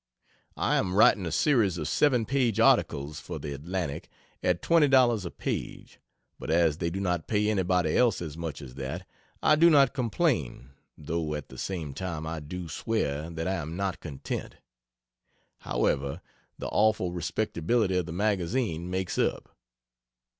I am writing a series of 7 page articles for the Atlantic at $20 a page; but as they do not pay anybody else as much as that, I do not complain (though at the same time I do swear that I am not content.) However the awful respectability of the magazine makes up.